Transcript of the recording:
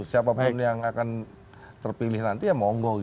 siapa pun yang akan terpilih nanti ya monggo gitu